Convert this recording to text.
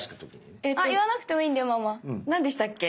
なんでしたっけ？